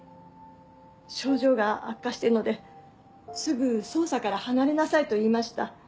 症状が悪化してるのですぐ捜査から離れなさいと言いました。